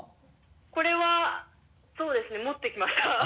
これはそうですね持ってきました